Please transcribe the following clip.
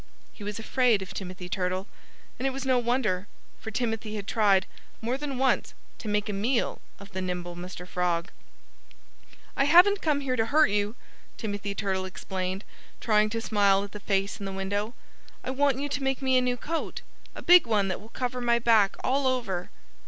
He was afraid of Timothy Turtle. And it was no wonder. For Timothy had tried, more than once to make a meal of the nimble Mr. Frog. "I haven't come here to hurt you," Timothy Turtle explained, trying to smile at the face in the window. "I want you to make me a new coat a big one that will cover my back all over."